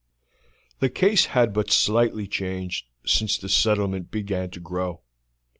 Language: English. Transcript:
The case had but slightly changed since the settlement began to grow.